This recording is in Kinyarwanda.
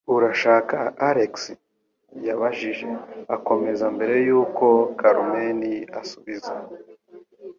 Urashaka Alex?" yabajije, akomeza mbere yuko Carmen asubiza.